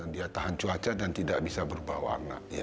dia tahan cuaca dan tidak bisa berubah warna